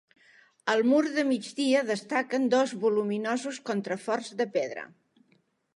Al mur de migdia destaquen dos voluminosos contraforts de pedra.